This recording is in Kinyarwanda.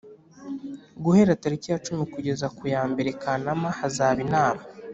guhera tariki yacumi kugeza ku yambere Kanama hazaba inama